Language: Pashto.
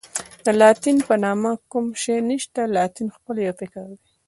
د لاتین په نامه کوم شی نشته، لاتین خپله یو فکر دی.